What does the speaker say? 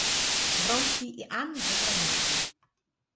Вронский и Анна за границей.